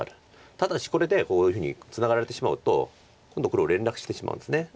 ただしこれでこういうふうにツナがられてしまうと今度黒連絡してしまうんです。